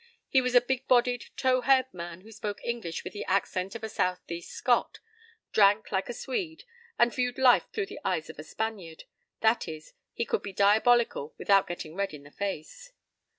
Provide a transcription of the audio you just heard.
He was a big bodied tow haired man who spoke English with the accent of a east coast Scot, drank like a Swede, and viewed life through the eyes of a Spaniard—that is, he could be diabolical without getting red in the face.